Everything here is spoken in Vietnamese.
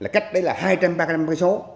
cách đấy là hai trăm ba mươi năm cái số